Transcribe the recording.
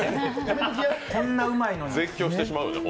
こんなうまいのに。